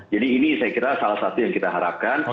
ini saya kira salah satu yang kita harapkan